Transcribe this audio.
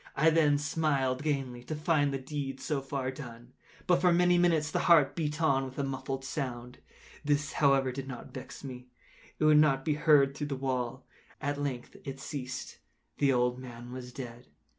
I then smiled gaily, to find the deed so far done. But, for many minutes, the heart beat on with a muffled sound. This, however, did not vex me; it would not be heard through the wall. At length it ceased. The old man was dead.